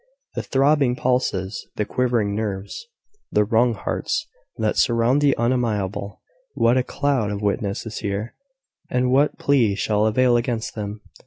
The throbbing pulses, the quivering nerves, the wrung hearts, that surround the unamiable what a cloud of witnesses is here! and what plea shall avail against them?